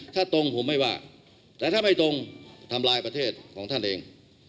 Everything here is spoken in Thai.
ถ้าตรงผมไม่ว่าแต่ถ้าไม่ตรงทำลายประเทศของท่านเอง